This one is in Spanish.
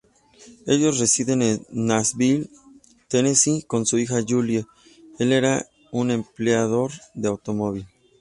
Ellos residen en Nashville, Tennessee, con su hija Jolie.El era un empleador de automóvil.